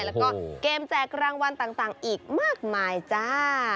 แล้วก็เกมแจกรางวัลต่างอีกมากมายจ้า